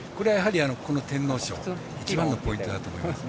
天皇賞一番のポイントだと思います。